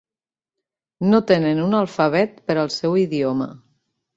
No tenen un alfabet per al seu idioma.